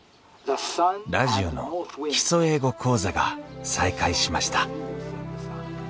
ラジオの「基礎英語講座」が再開しました